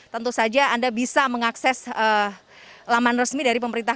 tentu saja anda bisa mengakses laman resmi dari pemerintah